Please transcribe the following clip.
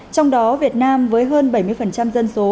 trong đó việt nam với hơn bảy mươi dân số